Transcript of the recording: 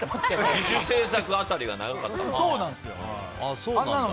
自主制作辺りが長かった。